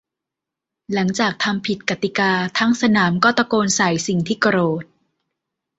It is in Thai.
หลังจากทำผิดกติกาทั้งสนามก็ตะโกนใส่สิ่งที่โกรธ